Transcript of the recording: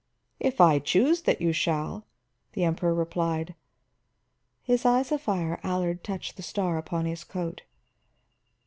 "If I choose that you shall," the Emperor replied. His eyes afire, Allard touched the star upon his coat.